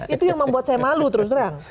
itu yang membuat saya malu terus terang